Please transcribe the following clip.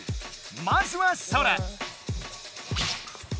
まずはソラ。